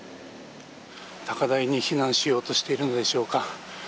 高台に避難しようとしているのでしょうか。